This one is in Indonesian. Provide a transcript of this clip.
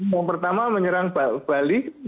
yang pertama menyerang bali